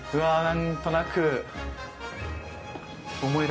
何となく。